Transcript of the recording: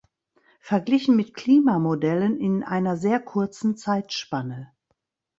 Verglichen mit Klimamodellen in einer sehr kurzen Zeitspanne.